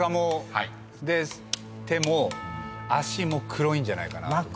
で手も脚も黒いんじゃないかな。